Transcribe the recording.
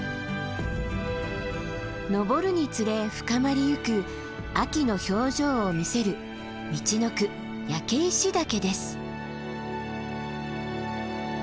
登るにつれ深まりゆく秋の表情を見せるみちのく焼石岳です。